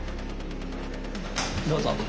どうぞ。